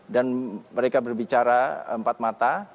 dan mereka berbicara empat mata